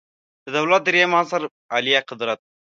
د دولت دریم عنصر عالیه قدرت